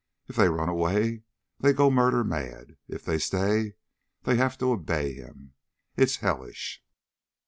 If they run away, they go murder mad. If they stay, they have to obey him. It's hellish!"